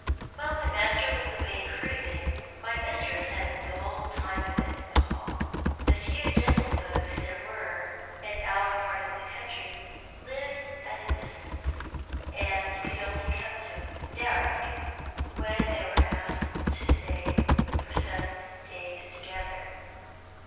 While my master was away cruising, my mistress had a dull time of it at the Hall. The few gentlefolks there were in our part of the county lived at a distance, and could only come to Darrock when they were asked to stay there for some days together.